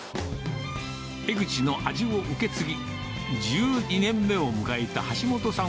江ぐちの味を受け継ぎ、１２年目を迎えた橋本さん